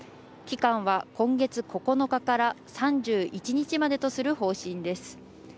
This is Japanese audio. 期間は今月９日から３１日までとする方針です。